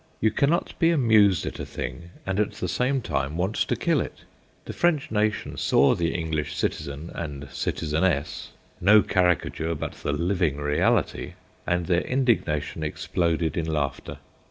You cannot be amused at a thing, and at the same time want to kill it. The French nation saw the English citizen and citizeness no caricature, but the living reality and their indignation exploded in laughter.